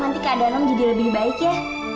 nanti keadaan om jadi lebih baik ya